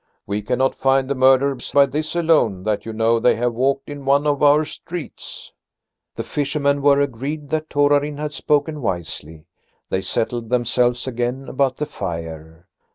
We cannot find the murderers by this alone, that you know they have walked in one of our streets." The fishermen were agreed that Torarin had spoken wisely. They settled themselves again about the fire.